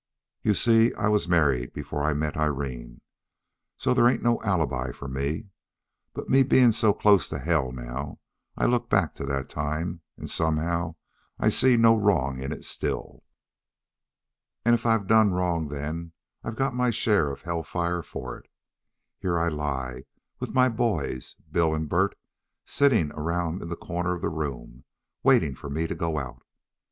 "You see, I was married before I met Irene. So there ain't no alibi for me. But me being so close to hell now, I look back to that time, and somehow I see no wrong in it still. "And if I done wrong then, I've got my share of hell fire for it. Here I lie, with my boys, Bill and Bert, sitting around in the corner of the room waiting for me to go out.